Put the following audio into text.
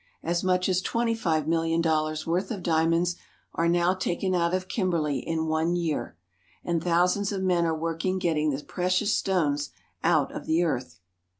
As much as twenty five million 1 lollars' worth of diamonds are now taken out of Kimberley I Bin one year, and thousands of men are working getting 1 Ithe precious stones out of the earth.